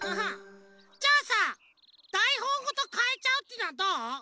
じゃあさだいほんごとかえちゃうっていうのはどう？